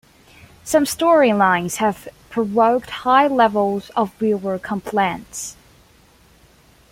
Some storylines have provoked high levels of viewer complaints.